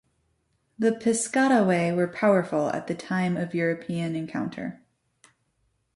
The Piscataway were powerful at the time of European encounter.